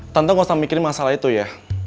tante gak usah mikirin masalah itu ya